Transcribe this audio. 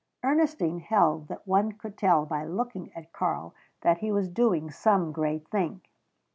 Ernestine held that one could tell by looking at Karl that he was doing some great thing.